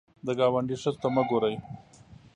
د ګاونډي ښځو ته مه ګورې